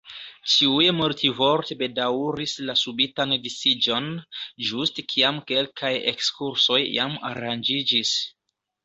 Ĉiuj multvorte bedaŭris la subitan disiĝon, ĝuste kiam kelkaj ekskursoj jam aranĝiĝis.